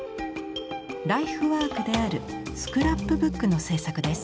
ライフワークである「スクラップブック」の制作です。